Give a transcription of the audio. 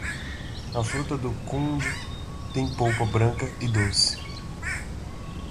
A fruta-do-conde tem polpa branca e doce.